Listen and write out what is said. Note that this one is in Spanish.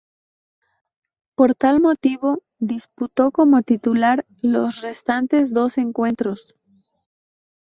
Por tal motivo disputó como titular los restantes dos encuentros.